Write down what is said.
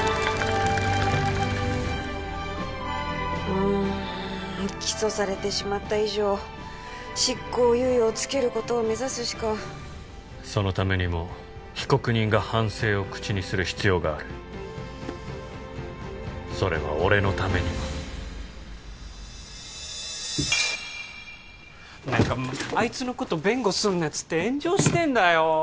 うーん起訴されてしまった以上執行猶予をつけることを目指すしかそのためにも被告人が反省を口にする必要があるそれは俺のためにも何かあいつのこと弁護すんなつって炎上してんだよー